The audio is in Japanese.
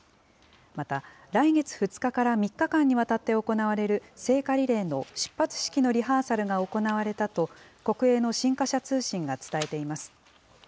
また、来月２日から３日間にわたって行われる、聖火リレーの出発式のリハーサルが行われたと、国営の新華社通信が伝えています。